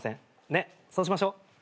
ねっそうしましょう。